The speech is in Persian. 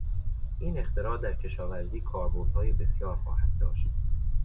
این اختراع در کشاورزی کاربردهای بسیار خواهد داشت.